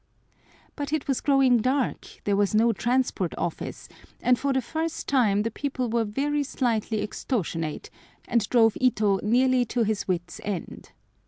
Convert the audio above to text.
But it was growing dark, there was no Transport Office, and for the first time the people were very slightly extortionate, and drove Ito nearly to his wits' end.